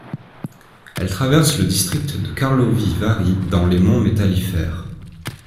Elle traverse le district de Karlovy Vary dans les monts Métallifères.